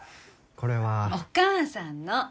これは。お母さんの。